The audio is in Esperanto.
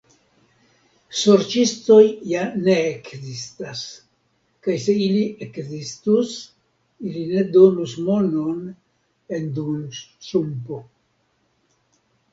Sorĉistoj ja ne ekzistas, kaj se ili ekzistus, ili ne donus monon en duonŝtrumpo ...